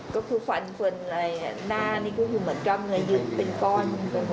ก็คือฟันเฟือนอะไรหน้านี่ก็คือเหมือนกล้ามเนื้อยึดเป็นก้อนไปหมด